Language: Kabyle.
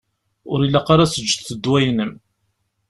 Ur ilaq ara ad teǧǧeḍ ddwa-inem.